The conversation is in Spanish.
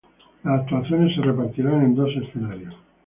Las actuaciones se repartirán en dos escenarios.